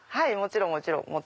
もちろんもちろん！